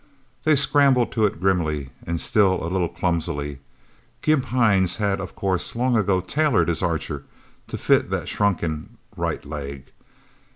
They scrambled to it grimly, and still a little clumsily. Gimp Hines had, of course, long ago tailored his Archer to fit that shrunken right leg.